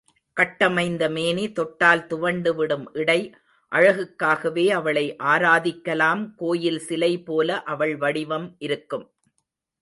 கட்டமைந்த மேனி, தொட்டால் துவண்டு விடும் இடை, அழகுக்காகவே அவளை ஆராதிக்கலாம் கோயில் சிலைபோல அவள் வடிவம் இருக்கும்.